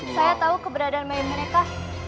saya tahu keberadaan bayi mereka